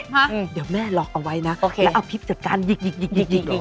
เดี๋ยวแม่ลองเอาไว้นะแล้วเอาพลิปจากการหยิกหยิกหยิก